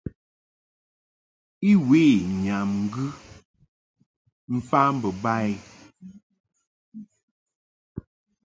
I we nyam ŋgɨ mfa mbo ba i.